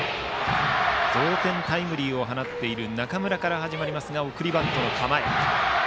同点タイムリーを放っている中村から始まりますが送りバントの構え。